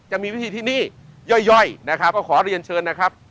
จะมีวิธีที่นี่ย่อยนะครับก็ขอเรียนเชิญนะครับ